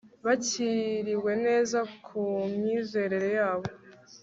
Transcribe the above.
Bakiriwe neza ku myizerere yabo